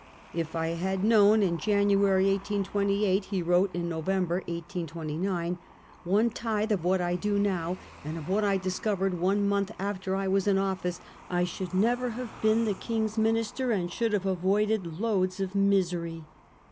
"If I had known in January 1828," he wrote in November 1829, "one tithe of what I do now, and of what I discovered one month after I was in office, I should never have been the King's Minister and should have avoided loads of misery.